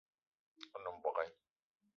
O nem mbogue